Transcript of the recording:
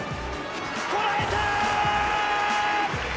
こらえた！